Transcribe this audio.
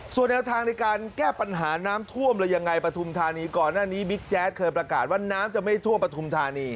ส่วนแนวทางในการแก้ปัญหาน้ำท่วมแล้วยังไงปฐุมธานีก่อนหน้านี้บิ๊กแจ๊ดเคยประกาศว่าน้ำจะไม่ท่วมปฐุมธานี